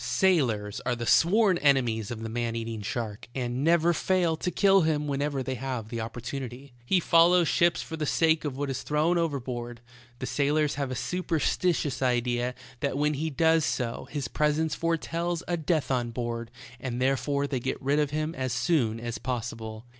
Sailors are the sworn enemies of the man eating shark, and never fail to kill him whenever they have the opportunity. He follows ships for the 5 65 66 THE TALKING HANDKERCHIEF. sake of what is thrown overboard; the sailors have a superstitious idea that when he does so his presence foretells a death on board, and therefore they get rid of him as soon as possible.